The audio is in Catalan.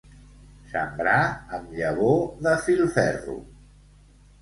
Sembrar amb llavor de filferro.